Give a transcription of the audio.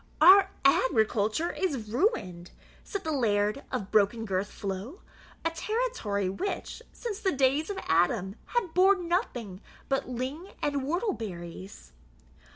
"Our agriculture is ruined," said the Laird of Broken girth flow, a territory which, since the days of Adam, had borne nothing but ling and whortle berries.